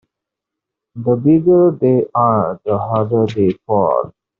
The bigger they are the harder they fall.